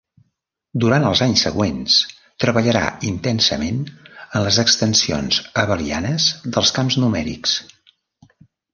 Durant els anys següents treballarà intensament en les extensions abelianes dels camps numèrics.